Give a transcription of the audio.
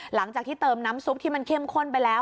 หลังจากที่เติมน้ำซุปที่มันเข้มข้นไปแล้ว